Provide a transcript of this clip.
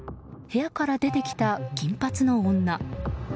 部屋から出てきた金髪の女。